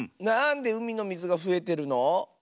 なんでうみのみずがふえてるの？